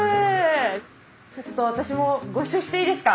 ちょっと私もご一緒していいですか？